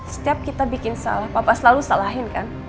setiap kita bikin salah papa selalu salahin kan